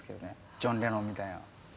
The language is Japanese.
ジョン・レノンみたいな。